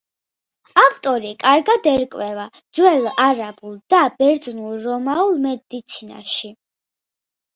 ავტორი კარგად ერკვევა ძველ არაბულ და ბერძნულ-რომაულ მედიცინაში.